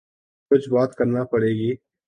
کچھ بات کرنا پڑے گی۔